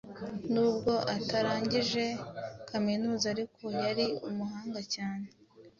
Nubwo atarangije Kaminuza ariko yari umuhanga cyane